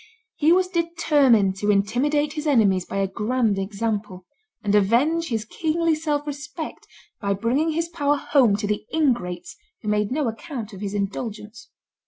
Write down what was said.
He was determined to intimidate his enemies by a grand example, and avenge his kingly self respect by bringing his power home to the ingrates who made no account of his indulgence.